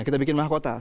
kita bikin mahkota